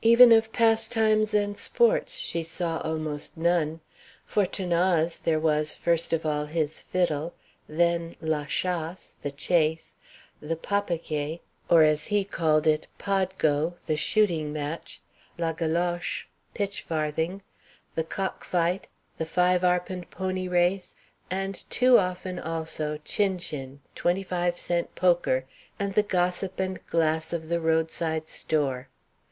Even of pastimes and sports she saw almost none. For 'Thanase there was, first of all, his fiddle; then la chasse, the chase; the papegaie, or, as he called it, pad go the shooting match; la galloche, pitch farthing; the cock fight; the five arpent pony race; and too often, also, chin chin, twenty five cent poker, and the gossip and glass of the roadside "store."